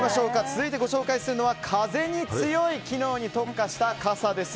続いてご紹介するのは風に強い機能に特化した傘です。